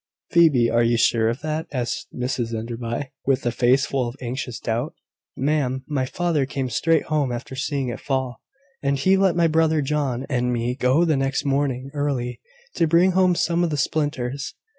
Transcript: "Phoebe, are you sure of that?" asked Mrs Enderby, with a face full of anxious doubt. "Ma'am, my father came straight home after seeing it fall, and he let my brother John and me go the next morning early, to bring home some of the splinters."